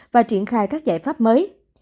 và triển khai các giải pháp mới